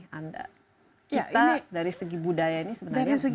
kita dari segi budaya ini sebenarnya beragam